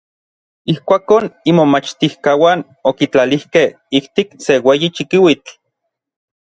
Ijkuakon imomachtijkauan okitlalijkej ijtik se ueyi chikiuitl.